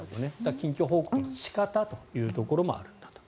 近況報告の仕方というところもあるんだと。